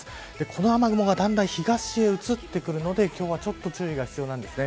この雨雲がだんだん東へ移ってくるので今日はちょっと注意が必要です。